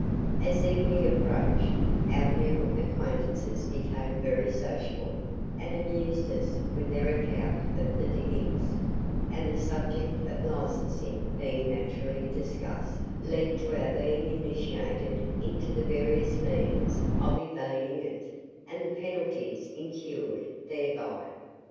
As evening approached, our new acquaintances became very sociable, and amused us with their account of the diggings; and the subject of licensing being naturally discussed, led to our being initiated into the various means of evading it, and the penalties incurred thereby.